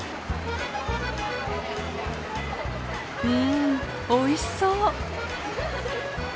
うんおいしそう！